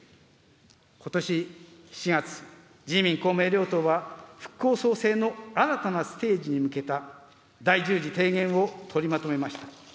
ことし７月、自民、公明両党は、復興・創生の新たなステージに向けた第１０次提言を取りまとめました。